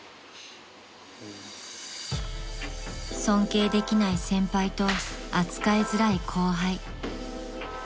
［尊敬できない先輩と扱いづらい後輩］